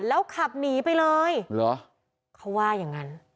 แล้วขับหนีไปเลยเหรอเขาว่าอย่างงั้น